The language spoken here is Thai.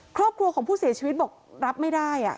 ครอบครัวของผู้เสียชีวิตบอกรับไม่ได้